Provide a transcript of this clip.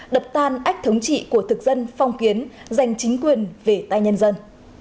đập tan ách thống trị của thực dân phong kiến giành chính quyền về tay nhân dân